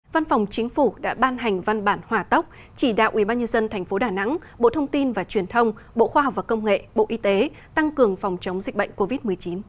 văn phòng chính phủ đã ban hành văn bản hỏa tốc chỉ đạo ubnd tp đà nẵng bộ thông tin và truyền thông bộ khoa học và công nghệ bộ y tế tăng cường phòng chống dịch bệnh covid một mươi chín